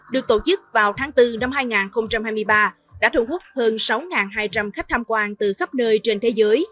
được tổ chức vào tháng bốn năm hai nghìn hai mươi ba đã thu hút hơn sáu hai trăm linh khách tham quan từ khắp nơi trên thế giới